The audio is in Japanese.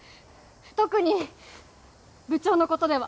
特に部長のことでは。